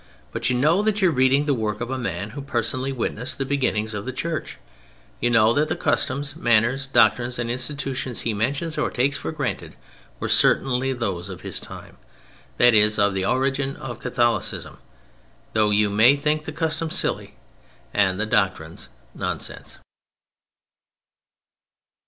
But you know that you are reading the work of a man who personally witnessed the beginnings of the Church; you know that the customs, manners, doctrines and institutions he mentions or takes for granted, were certainly those of his time, that is, of the origin of Catholicism, though you may think the customs silly and the doctrines nonsense.